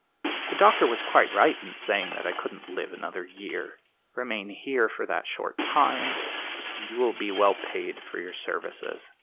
The doctor was quite right in saying that I couldn't live another year. Remain here for that short time, and you shall be well paid for your services.